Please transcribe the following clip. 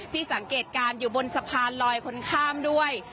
สังเกตการณ์อยู่บนสะพานลอยคนข้ามด้วย